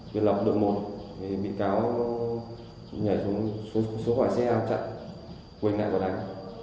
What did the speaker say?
vì lọc được một thì bị cáo nhảy xuống xe hạm chặn quỳnh lại còn đánh